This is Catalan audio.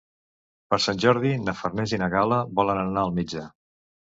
Per Sant Jordi na Farners i na Gal·la volen anar al metge.